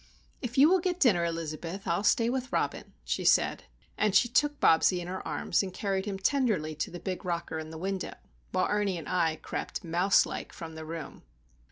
"If you will get dinner, Elizabeth, I'll stay with Robin," she said. And she took Bobsie in her arms, and carried him tenderly to the big rocker in the window, while Ernie and I crept, mouse like, from the room.